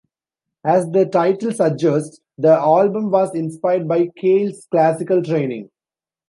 As the title suggests, the album was inspired by Cale's classical training.